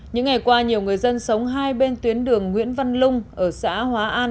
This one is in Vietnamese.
những ngày qua nhiều người dân sống hai bên tuyến đường nguyễn văn lung ở xã hóa an